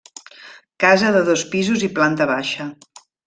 Casa de dos pisos i planta baixa.